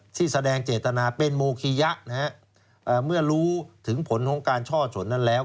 แสดงเจตนาเป็นโมคิยะนะฮะเมื่อรู้ถึงผลของการช่อฉนนั้นแล้ว